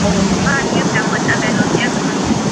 კლიმატი საკმაოდ ცივია.